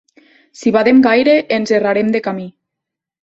Si badem gaire ens errarem de camí.